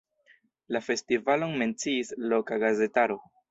La festivalon menciis loka gazetaro.